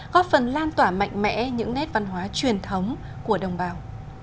góp phần lan tỏa mạnh mẽ những nét văn hóa truyền thống của đồng bào